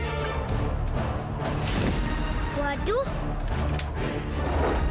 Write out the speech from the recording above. assalamualaikum warahmatullahi wabarakatuh